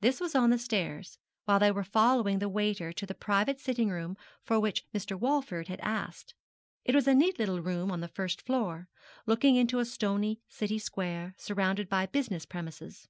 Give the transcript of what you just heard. This was on the stairs, while they were following the waiter to the private sitting room for which Mr. Walford had asked. It was a neat little room on the first floor, looking into a stony city square, surrounded by business premises.